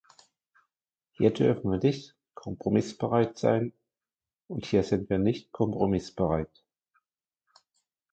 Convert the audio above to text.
Hier dürfen wir nicht kompromissbereit sein und hier sind wir nicht kompromissbereit!